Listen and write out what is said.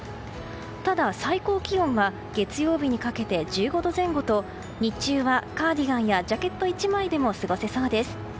ただ、最高気温は月曜日にかけて１５度前後と日中はカーディガンやジャケット１枚でも過ごせそうです。